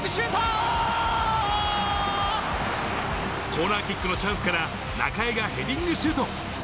コーナーキックのチャンスから中江がヘディングシュート。